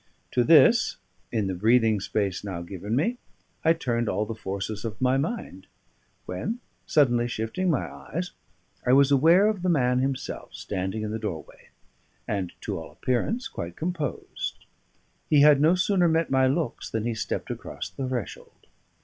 To this, in the breathing space now given me, I turned all the forces of my mind; when, suddenly shifting my eyes, I was aware of the man himself standing in the doorway, and, to all appearance, quite composed. He had no sooner met my looks than he stepped across the threshold.